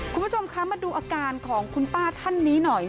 คุณผู้ชมคะมาดูอาการของคุณป้าท่านนี้หน่อย